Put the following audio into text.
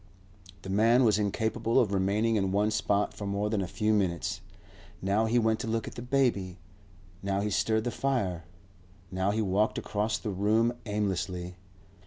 The man was incapable of remaining in one spot for more than a few minutes. Now he went to look at the baby; now he stirred the fire; now he walked across the room aimlessly.